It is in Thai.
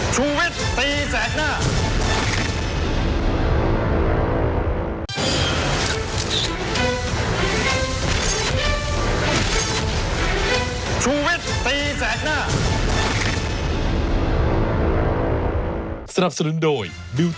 ชีวิตตีแสงหน้า